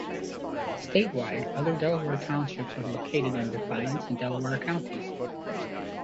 Statewide, other Delaware Townships are located in Defiance and Delaware counties.